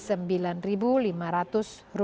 kenaikan tarif tol yang dilakukan